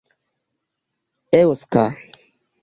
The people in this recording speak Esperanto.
eŭska